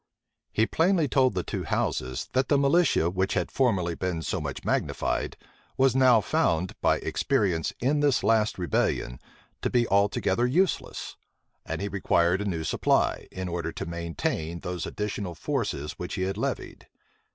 He plainly told the two houses, that the militia, which had formerly been so much magnified, was now found, by experience in the last rebellion, to be altogether useless; and he required a new supply, in order to maintain those additional forces which he had levied.